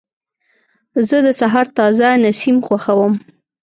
زه د سهار تازه نسیم خوښوم.